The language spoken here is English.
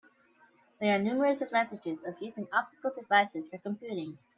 There are numerous advantages of using optical devices for computing.